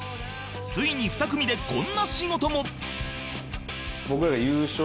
ついに２組でこんな仕事も